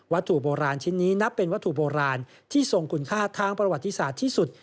ถูกโบราณชิ้นนี้นับเป็นวัตถุโบราณที่ทรงคุณค่าทางประวัติศาสตร์ที่สุด